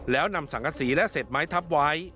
แล้วนำสังกษีและเศษไม้ทับไว้